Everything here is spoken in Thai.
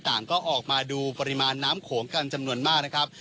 ต่างก็ออกมาดูปริมาณน้ำโขงกันจำนวนมากนะครับ